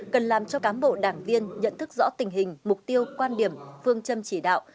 cần làm cho cán bộ đảng viên nhận thức rõ tình hình mục tiêu quan điểm phương châm chỉ đạo